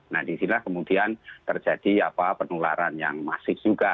nah di sinilah kemudian terjadi penularan yang masif juga